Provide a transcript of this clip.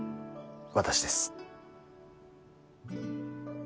私です。